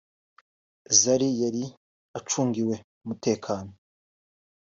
Zari yari acungiwe umutekano